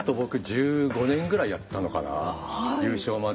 １５年ぐらいやったのかな優勝までに。